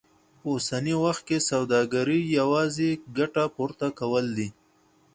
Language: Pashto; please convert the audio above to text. په اوسني وخت کې سوداګري يوازې ګټه پورته کول دي.